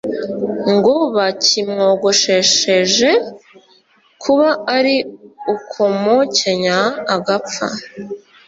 ngo bakimwogoshesheje, kuba ari ukumukenya agapfa